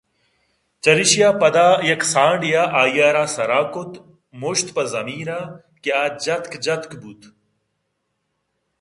چرایشی ءَ پدا یک سانڈے ءَ آئی ءَ راسر ءَ کُت مُشت پہ زمین ءَ کہ آ جَتک جَتک بُوت